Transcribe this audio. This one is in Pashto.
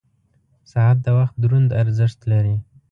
• ساعت د وخت دروند ارزښت لري.